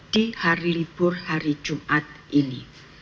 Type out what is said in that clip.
di hari libur hari jumat ini